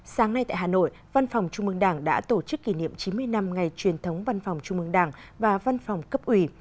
sáng nay tại hà nội văn phòng trung mương đảng đã tổ chức kỷ niệm chín mươi năm ngày truyền thống văn phòng trung mương đảng và văn phòng cấp ủy